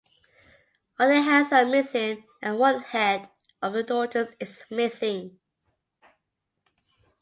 All their hands are missing and one head of the daughters is missing.